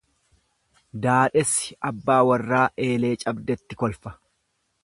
Daadhessi abbaa warraa eelee cabdetti kolfa.